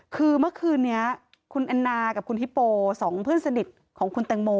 คือเมื่อคืนนี้คุณแอนนากับคุณฮิปโป๒เพื่อนสนิทของคุณแตงโม